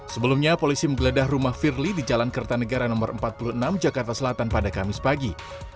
sebelumnya polisi menggeledah rumah firly di jalan kertanegara no empat puluh enam jakarta selatan pada kamis pagi